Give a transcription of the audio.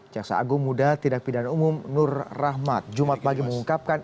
jaksa agung muda tidak pindahan umum nur rahmat jumat bagi mengungkapkan